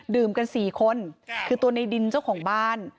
กัน๔คนคือตัวในดินเจ้าของบ้าน